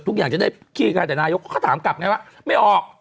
ทุกอย่างจะได้ขี้กันแต่นายกเขาก็ถามกลับไงว่าไม่ออก